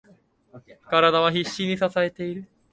体は必死に支えている。